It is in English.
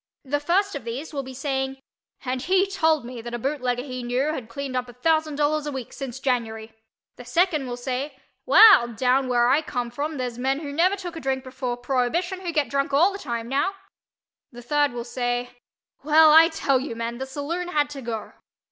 The first of these will be saying "and he told me that a bootlegger he knew had cleaned up a thousand dollars a week since January." The second will say "Well down where I come from there's men who never took a drink before prohibition who get drunk all the time now." The third will say "Well, I tell you, men—the saloon had to go."